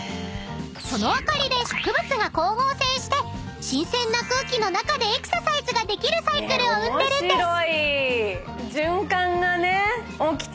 ［その灯りで植物が光合成して新鮮な空気の中でエクササイズができるサイクルを生んでるんです］